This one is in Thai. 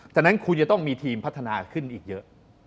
ฉะนั้นคุณจะต้องมีทีมพัฒนาขึ้นอีกเยอะ